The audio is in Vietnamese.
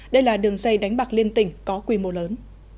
đây là đường dây đánh bạc liên tỉnh có quy mô lớn